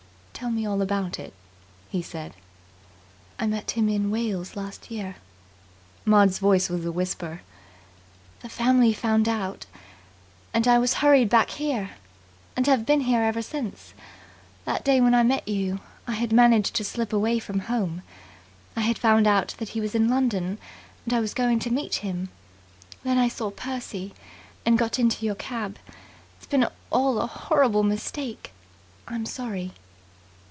"Tell me all about it," he said. "I met him in Wales last year." Maud's voice was a whisper. "The family found out, and I was hurried back here, and have been here ever since. That day when I met you I had managed to slip away from home. I had found out that he was in London, and I was going to meet him. Then I saw Percy, and got into your cab. It's all been a horrible mistake. I'm sorry."